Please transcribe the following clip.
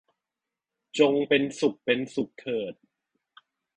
จงเป็นสุขเป็นสุขเถิด